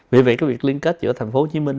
vì vậy cái việc liên kết giữa thành phố hồ chí minh